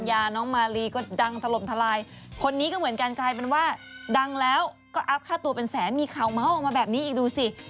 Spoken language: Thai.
น้องมาลีก็ดังถล่มทลายคนนี้ก็เหมือนกันกลายเป็นว่าดังแล้วก็อัพค่าตัวเป็นแสนมีข่าวเมาส์ออกมาแบบนี้อีกดูสิ